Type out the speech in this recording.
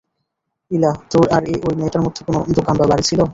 ইলা, তোর আর ওই মেয়েটার মধ্যে কোনো দোকান বা বাড়ি ছিল?